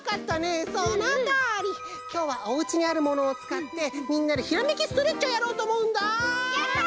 きょうはおうちにあるものをつかってみんなでひらめきストレッチをやろうとおもうんだ！